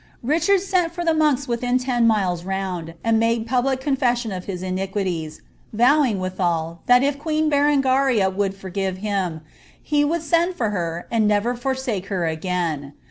Richard sent for all the monks within ten miles round, ami made pi^ lie confession of his iniquities, vowiog, withal, that if queen Berengarit would forgive him, he would send for her, and nerer forsake her agaia.